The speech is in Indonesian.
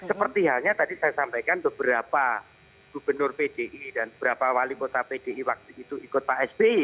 seperti halnya tadi saya sampaikan beberapa gubernur pdi dan beberapa wali kota pdi waktu itu ikut pak sby